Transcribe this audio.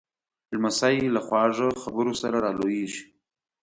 لمسی له خواږه خبرو سره را لویېږي.